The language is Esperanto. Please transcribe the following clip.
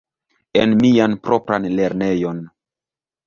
En mian propran lernejon.